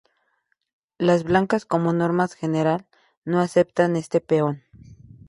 Las blancas como norma general no aceptan este peón.